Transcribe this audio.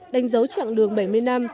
đánh dấu chặng đường bảy mươi năm